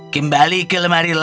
kembali ke lemari lagi will